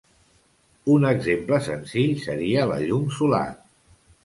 Un exemple senzill seria la llum solar.